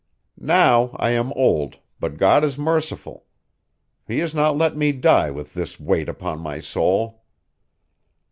Now I am old but God is merciful. He has not let me die with this weight upon my soul."